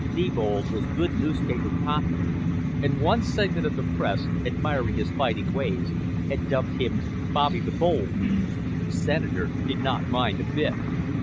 Thebold was good newspaper copy and one segment of the press, admiring his fighting ways, had dubbed him Bobby the Bold. The Senator did not mind a bit.